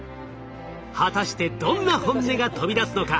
果たしてどんな本音が飛び出すのか？